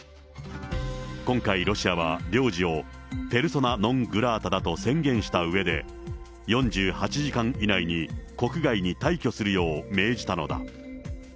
今回、ロシアは領事をペルソナ・ノン・グラータだと宣言したうえで、４８時間以内に国外に退避をするよう命じたのだ。